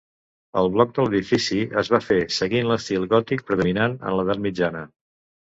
El bloc de l'edifici es va fer seguint l'estil gòtic predominant en l'Edat mitjana.